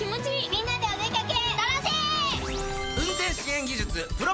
みんなでお出掛け。